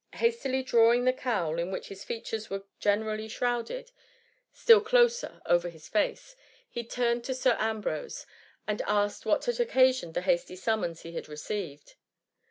Hastily draw ing the cowl, in which his features were gene* rally shrouded, still closer over his face, he turned to Sir Ambrose, and asked what had oc^ casioned the hasty summons he had received.